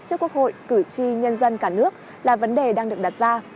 trước quốc hội cử tri nhân dân cả nước là vấn đề đang được đặt ra